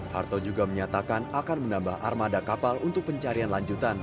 harto juga menyatakan akan menambah armada kapal untuk pencarian lanjutan